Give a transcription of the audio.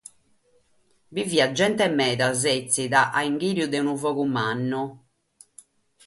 Bi fiat gente meda, sètzida a inghìriu de unu fogu mannu.